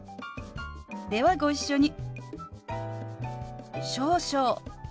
ではご一緒に。